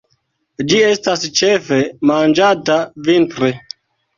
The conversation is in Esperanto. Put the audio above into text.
Ĝi estas ĉefe manĝata vintre.